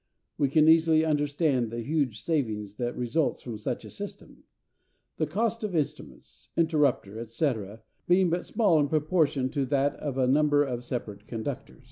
We can easily understand the huge saving that results from such a system; the cost of instruments, interrupter, &c., being but small in proportion to that of a number of separate conductors.